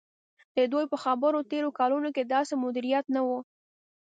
د دوی په خبره تېرو کلونو کې داسې مدیریت نه و.